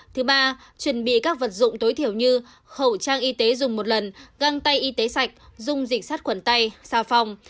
thứ ba chuẩn bị các vật dụng tối thiểu như khẩu trang y tế dùng một lần găng tay y tế sạch dung dịch sát khuẩn tay xà phòng